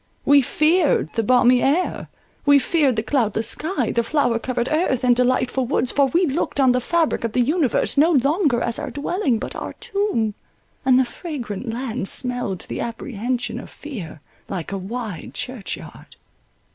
We feared the balmy air—we feared the cloudless sky, the flower covered earth, and delightful woods, for we looked on the fabric of the universe no longer as our dwelling, but our tomb, and the fragrant land smelled to the apprehension of fear like a wide church yard.